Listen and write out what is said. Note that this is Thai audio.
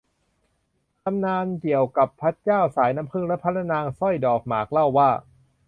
ตำนานเกี่ยวกับพระเจ้าสายน้ำผึ้งและพระนางสร้อยดอกหมากเล่าว่า